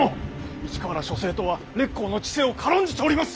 市川ら諸生党は烈公の治世を軽んじております！